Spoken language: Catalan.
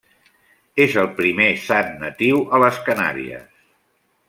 És el primer sant natiu a les Canàries.